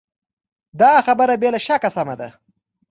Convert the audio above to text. دا خبره بې له شکه سمه ده.